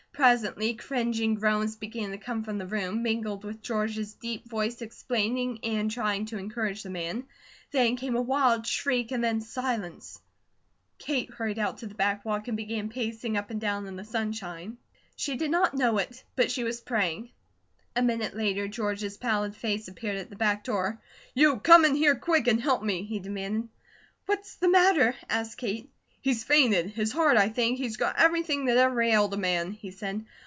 Presently cringing groans began to come from the room, mingling with George's deep voice explaining, and trying to encourage the man. Then came a wild shriek and then silence. Kate hurried out to the back walk and began pacing up and down in the sunshine. She did not know it, but she was praying. A minute later George's pallid face appeared at the back door: "You come in here quick and help me," he demanded. "What's the matter?" asked Kate. "He's fainted. His heart, I think. He's got everything that ever ailed a man!" he said.